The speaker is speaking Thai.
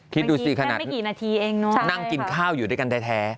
คิดดูสิขนาดนั่งกินข้าวอยู่ด้วยกันใดนั่งกินข้าวอยู่ด้วยกันใด